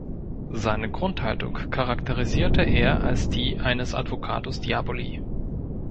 Seine Grundhaltung charakterisierte er als die eines Advocatus Diaboli.